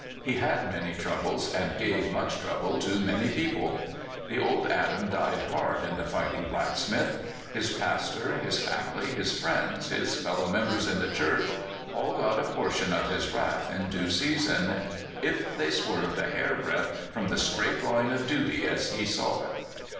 He had many troubles, and gave much trouble to many people. The old Adam died hard in the fighting blacksmith. His pastor, his family, his friends, his fellow members in the Church, all got a portion of his wrath in due season, if they swerved a hairbreadth from the straight line of duty as he saw it.